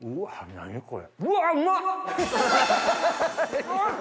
何やこれ！